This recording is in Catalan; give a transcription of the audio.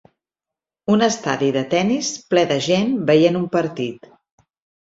Un estadi de tennis ple de gent veient un partit.